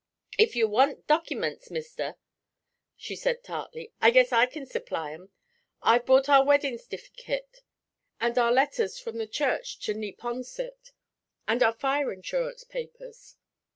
'If you want dockyments, mister,' she said tartly, 'I guess I kin supply 'em. I've brought our weddin' stiffykit, and our letters from the church to Neeponsit, and our fire insurance papers.'